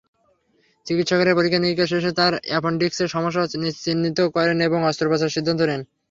চিকিৎসকেরা পরীক্ষা-নিরীক্ষা শেষে তাঁর অ্যাপেনডিক্সের সমস্যা চিহ্নিত করেন এবং অস্ত্রোপচারের সিদ্ধান্ত নেন।